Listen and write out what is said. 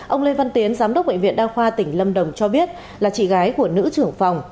ông lê văn tiến giám đốc bệnh viện đa khoa tỉnh lâm đồng cho biết là chị gái của nữ trưởng phòng